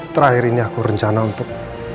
terakhir ini aku rencana untuk